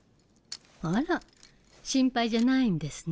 あら心配じゃないんですね。